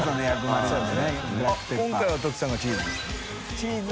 あっ今回はトキさんがチーズ。